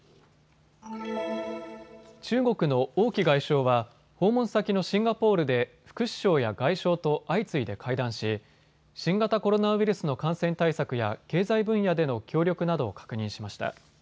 中国の王毅外相は訪問先のシンガポールで副首相や外相と相次いで会談し新型コロナウイルスの感染対策や経済分野での協力などを確認しました。